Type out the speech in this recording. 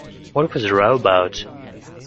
What was the row about?